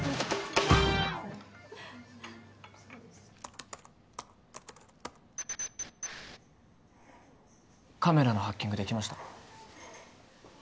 カチャカチャカメラのハッキングできました。